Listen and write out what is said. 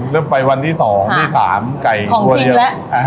เริ่มไปวันที่๒ที่๓ไก่ตัวเดียว